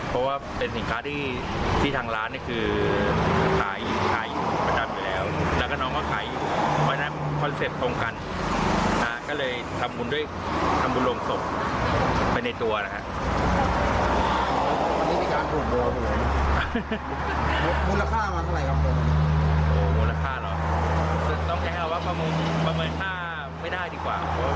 มูลค่ามาเท่าไหร่ครับผมโอ้โหมูลค่าเหรอน้องแอ๊วว่าประมูลประมูลค่าไม่ได้ดีกว่า